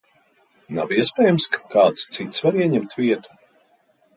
Nav iespējams, ka kāds cits var ieņemt vietu?